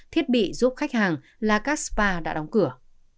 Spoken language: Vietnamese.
thiết bị giúp khách hàng là các spa đã đóng cửa